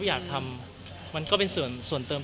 เรียกงานไปเรียบร้อยแล้ว